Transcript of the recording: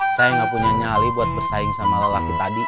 saya nggak punya nyali buat bersaing sama lelaki tadi